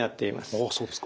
ああそうですか。